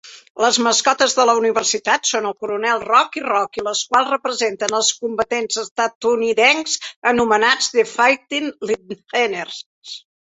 Les mascotes de la universitat són el Coronel Rock i Rocky, les quals representen als combatents estatunidencs anomenats "The Fighting Leathernecks".